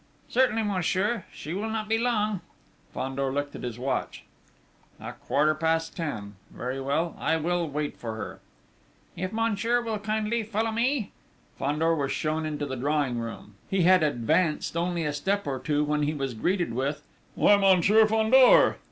"Certainly, monsieur: she will not be long...." Fandor looked at his watch. "A quarter past ten!... Very well, I will wait for her." "If monsieur will kindly follow me?" Fandor was shown into the drawing room. He had advanced only a step or two when he was greeted with: "Why! Monsieur Fandor!"